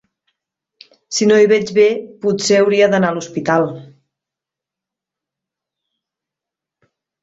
Si no hi veig bé, potser hauria d'anar a l'hospital.